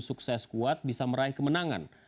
sukses kuat bisa meraih kemenangan